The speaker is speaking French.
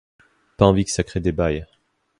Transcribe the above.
Pas envie que ça crée des bails.